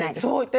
そう。